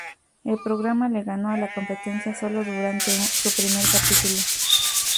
El programa le ganó a la competencia solo durante su primer capítulo.